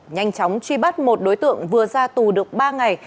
nhanh chóng truy bắt một đối tượng vừa ra tù được ba ngày